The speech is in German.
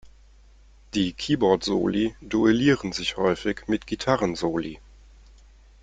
Die Keyboard-Soli duellieren sich häufig mit Gitarren-Soli.